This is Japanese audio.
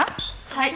はい。